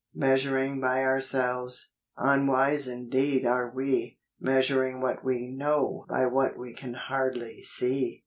Measuring by ourselves, unwise indeed are we, Measuring what we know by what we can hardly see.